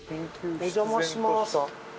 お邪魔します。